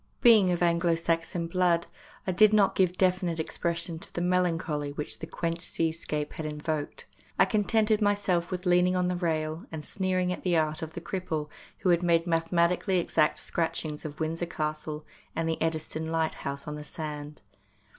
Being of Anglo Saxon blood, I did not give definite expression to the melancholy which the quenched seascape had invoked. I con tented myself with leaning on the rail, and sneering at the art of the cripple who had made mathematically exact scratchings of Windsor Castle and the Eddystone Light house on the sand.